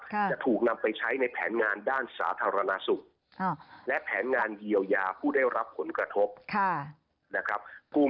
จะถูกนำไปใช้ในแผนงานด้านสาธารณสุขและแผนงานเยียวยาผู้ได้รับผลกระทบนะครับ